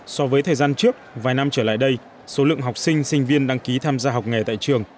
so với thời gian trước vài năm trở lại đây số lượng học sinh sinh viên đăng ký tham gia học nghề tại trường